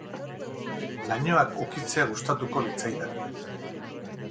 Lainoak ukitzea gustatuko litzaidake.